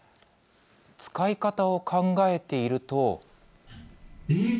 使い方を考えていると。